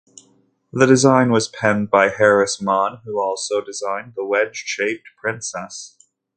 The design was penned by Harris Mann who also designed the wedge-shaped Princess.